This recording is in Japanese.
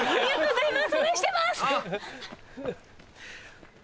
ありがとうございます。